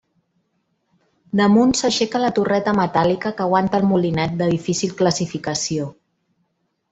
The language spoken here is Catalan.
Damunt s'aixeca la torreta metàl·lica que aguanta el molinet, de difícil classificació.